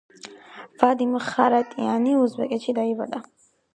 ვადიმ ხარატიანი უზბეკეთში დაიბადა.